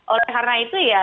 oleh karena itu ya